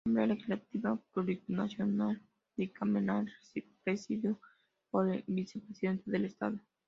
Asamblea Legislativa Plurinacional bicameral, presidido por el Vicepresidente del Estado.